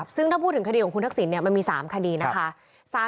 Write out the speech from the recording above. ซึ่งถ้าพูดถึงคดีของคุณทักษิณมันมี๓คดีนะคะ